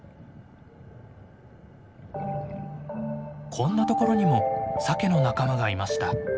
こんなところにもサケの仲間がいました。